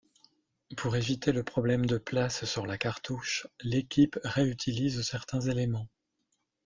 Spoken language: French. Pour éviter le problème de place sur la cartouche, l'équipe réutilise certains éléments.